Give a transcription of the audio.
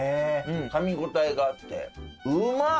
かみ応えがあってうまっ！